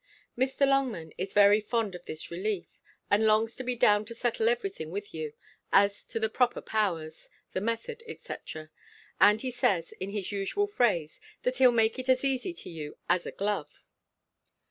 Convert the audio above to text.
Mr. Longman is very fond of this relief, and longs to be down to settle every thing with you, as to the proper powers, the method, &c. And he says, in his usual phrase, that he'll make it as easy to you as a glove.